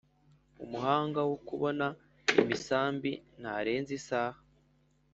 umuhanga wo kuboha imisambi ntarenza isaha